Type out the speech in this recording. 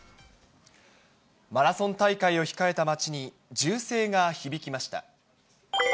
マラソン大会を控えた街に、銃声が響きました。